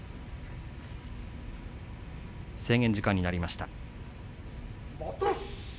制限時間になりました。